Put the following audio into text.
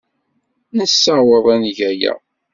Nessaweḍ ad neg aya.